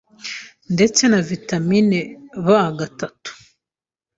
ndetse na vitamin B gatatu